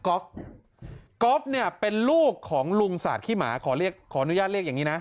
ออฟก๊อฟเนี่ยเป็นลูกของลุงสาดขี้หมาขอเรียกขออนุญาตเรียกอย่างนี้นะ